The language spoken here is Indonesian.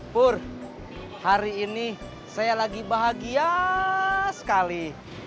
pur hari ini saya lagi bahagia sekali